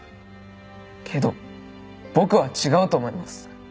けど僕は違うと思います。